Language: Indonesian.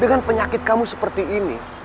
dengan penyakit kamu seperti ini